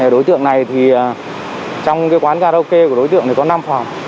đối tượng này thì trong quán karaoke của đối tượng này có năm phòng